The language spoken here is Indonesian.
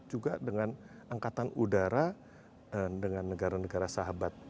juga dengan angkatan udara dan dengan negara negara sahabat